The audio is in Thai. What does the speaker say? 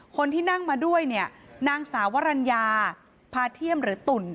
คนที่นั่งมาด้วยเนี่ยนางสาวรัญญาพาเทียมหรือตุ่น